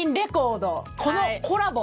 このコラボ。